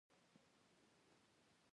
عرضه کوونکى په لویه پیمانه تولید کوي.